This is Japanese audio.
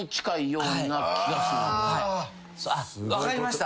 分かりました。